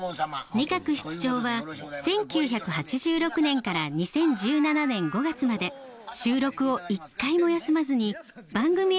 仁鶴室長は１９８６年から２０１７年５月まで収録を一回も休まずに番組への出演を続けました。